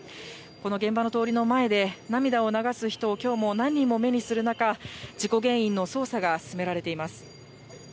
この現場の通りの前で涙を流す人を、きょう、何人も目にする中、事故原因の捜査が進められています。